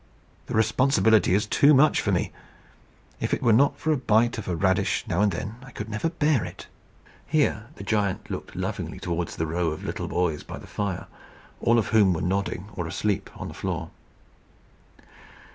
The responsibility is too much for me. If it were not for a bite of a radish now and then, I never could bear it." Here the giant looked lovingly towards the row of little boys by the fire, all of whom were nodding, or asleep on the floor.